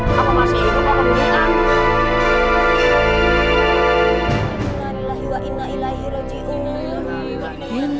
apa masih hidup apa mau hilang